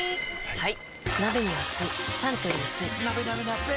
・はい！